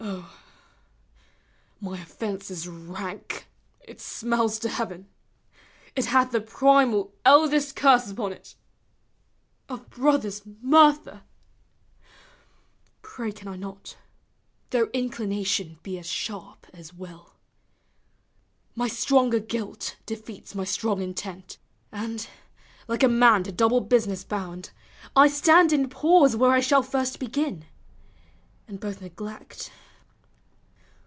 O, my offence is rank, it smells to heaven ; It hath the primal eldest curse upon 't, A brothers murder. Pray can I not, Though inclination be as sharp as will : My stronger guilt defeats my strong intent; And, like a man to double business bound, I stand in pause where I shall first begin, And both neglect.